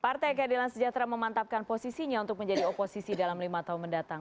partai keadilan sejahtera memantapkan posisinya untuk menjadi oposisi dalam lima tahun mendatang